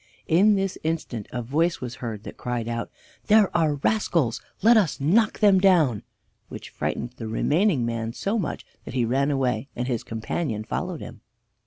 In this instant a voice was heard that cried out: "There are the rascals! Let us knock them down!" which frightened the remaining man so much that he ran away, and his companion followed him.